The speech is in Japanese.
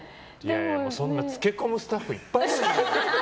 そんなつけ込むスタッフいっぱいいるから。